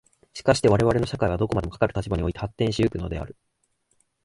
しかして我々の社会はどこまでもかかる立場において発展し行くのである。